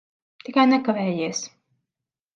Tikai nekavējies.